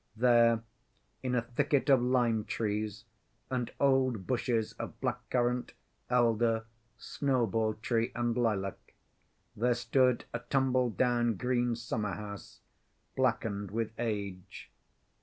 There, in a thicket of lime‐trees and old bushes of black currant, elder, snowball‐tree, and lilac, there stood a tumble‐down green summer‐house, blackened with age.